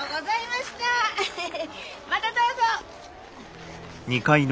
またどうぞ！